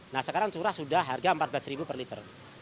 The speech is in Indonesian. nah sekarang curah sudah harga rp empat belas per liter